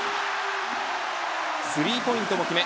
スリーポイントも決め